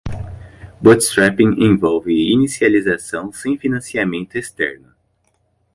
Bootstrapping envolve inicialização sem financiamento externo.